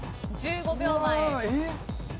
１５秒前。